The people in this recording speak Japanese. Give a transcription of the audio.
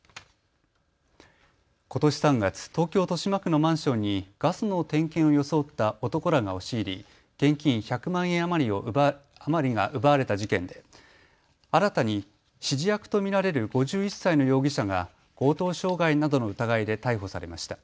ことし３月、東京豊島区のマンションにガスの点検を装った男らが押し入り現金１００万円余りが奪われた事件で新たに指示役と見られる５１歳の容疑者が強盗傷害などの疑いで逮捕されました。